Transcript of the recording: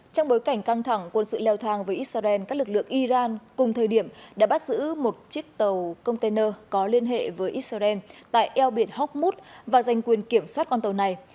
trong bối cảnh căng thẳng quân sự leo thang với israel các lực lượng iran cùng thời điểm đã bắt giữ một chiếc tàu container có liên hệ với israel tại eo biển horkmut và giành quyền kiểm soát con tàu này